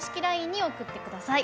ＬＩＮＥに送ってください。